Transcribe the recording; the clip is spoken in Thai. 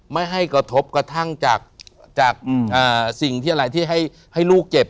ไม่ให้กระทบกระทั่งจากจากอืมอ่าสิ่งที่อะไรที่ให้ให้ลูกเจ็บอ่ะ